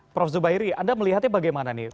prof zubairi anda melihatnya bagaimana nih